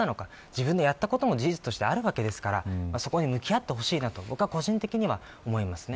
自分のやったことも事実としてあるわけですからそこに向き合ってほしいと僕は個人的には思います。